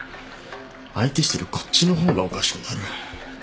相手してるこっちの方がおかしくなる。